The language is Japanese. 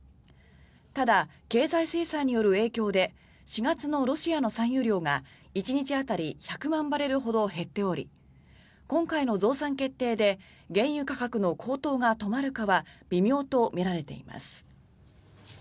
ただ、経済制裁による影響で４月のロシアの産油量が１日当たり１００万バレルほど減っており今回の増産決定で原油価格の高騰が止まるかは微妙とみられています。